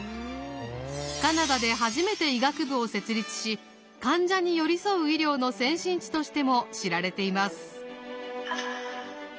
カナダで初めて医学部を設立し患者に寄り添う医療の先進地としても知られています。